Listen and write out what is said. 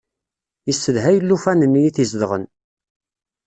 Yessedhay llufan-nni i t-izedɣen.